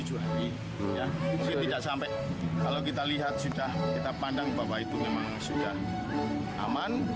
jadi tidak sampai kalau kita lihat sudah kita pandang bahwa itu memang sudah aman